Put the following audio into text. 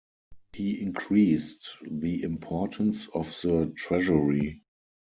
He increased the importance of the Treasury.